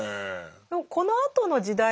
このあとの時代